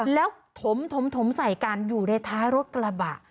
แล้วถมใส่กันอยู่ในท้ายรถกระบะ